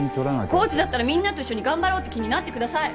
コーチだったらみんなと一緒に頑張ろうって気になってください！